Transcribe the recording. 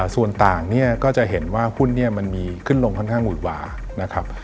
ส่วนต่างเนี่ยก็จะเห็นว่าหุ้นเนี่ยมันมีขึ้นลงค่อนข้างหวุยหวานะครับ